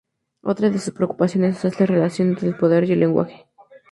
Otra de sus preocupaciones es la relación entre el poder y el lenguaje.